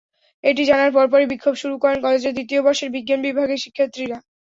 এটি জানার পরপরই বিক্ষোভ শুরু করেন কলেজের দ্বিতীয় বর্ষের বিজ্ঞান বিভাগের শিক্ষার্থীরা।